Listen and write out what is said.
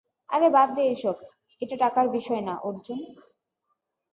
আরে বাদ দে এইসব, এটা টাকার বিষয় না, অর্জুন।